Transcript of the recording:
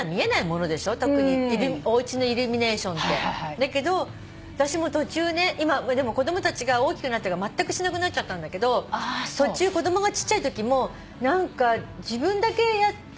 だけど私も途中ね子供たちが大きくなってからまったくしなくなっちゃったんだけど途中子供がちっちゃいときも何か自分だけやって。